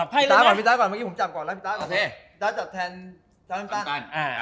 พี่ต้าก่อนพี่ต้าก่อนเมื่อกี้ผมจับก่อนแล้วพี่ต้าจับแทนชาวน้ำต้าน